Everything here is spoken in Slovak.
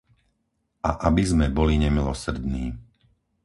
A aby sme boli nemilosrdní.